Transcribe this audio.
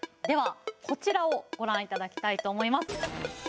ではこちらをご覧頂きたいと思います。